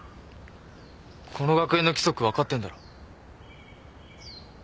この学園の規則分かってんだろ？